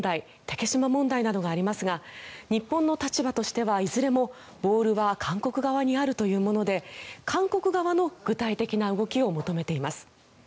竹島問題などがありますが日本の立場としてはいずれもボールは韓国側にあるというもので韓国側の具体的な動きを求めています。